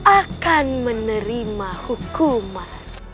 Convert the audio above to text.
akan menerima hukuman